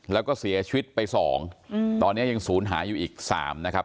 แล้วก็เสียชีวิตไปสองตอนนี้ยังศูนย์หายอยู่อีก๓นะครับ